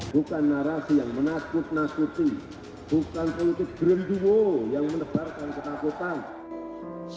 bukan narasi yang menakut nakuti bukan politik politik yang menakut nakuti